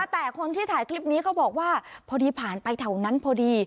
แต่คนที่ถ่ายคลิปนี้เขาบอกว่าพอดีผ่านไปแถวนั้นพอดี